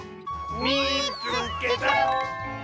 「みいつけた！」。